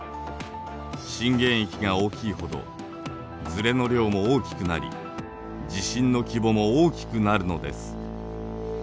震源域が大きいほどずれの量も大きくなり地震の規模も大きくなるのです。